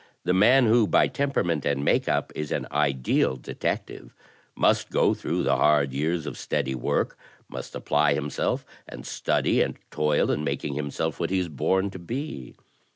The man who, by temperament and make up, is an ideal detective, must go through the hard years of steady work, must apply himself, and study and toil in mak ing himself what he is born to be.